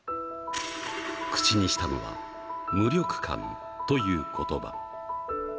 口にしたのは、無力感ということば。